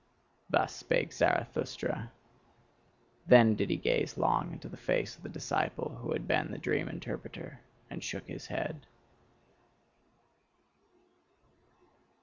Thus spake Zarathustra. Then did he gaze long into the face of the disciple who had been the dream interpreter, and shook his head.